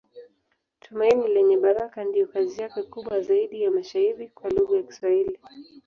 Tumaini Lenye Baraka ndiyo kazi yake kubwa zaidi ya mashairi kwa lugha ya Kiswahili.